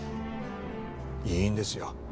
いいんですよ